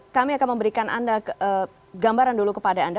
kami akan memberikan anda gambaran dulu kepada anda